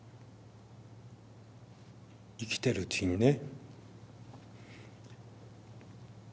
生きてるうちにね。